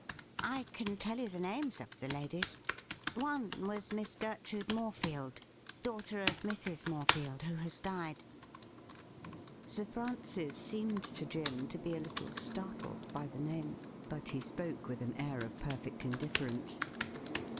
' I can tell you the names of the ladies. One was Miss Gertrude Morefield, daughter of Mrs. Morefield, who has died ' Sir Francis seemed to Jim to be a little startled by the name, but he spoke with an air of perfect indifference.